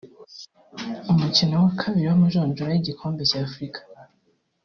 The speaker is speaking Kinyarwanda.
umukino wa kabiri w’amajonjora y’igikombe cy’Afurika